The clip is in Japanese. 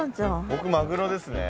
僕マグロですね。